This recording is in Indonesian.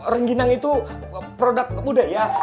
ranginang itu produk budaya